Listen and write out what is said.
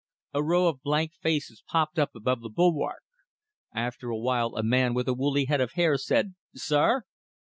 A row of blank faces popped up above the bulwark. After a while a man with a woolly head of hair said "Sir!"